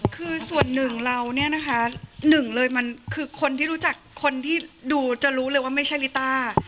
คือส่วนหนึ่งเราเนี่ยนะคะหนึ่งเลยมันคือคนที่รู้จักคนที่ดูจะรู้เลยว่าไม่ใช่ลิต้า